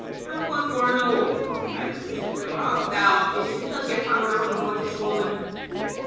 And what for no?" cried the precentor. " Rob Dow, is it because you've found out about this woman?"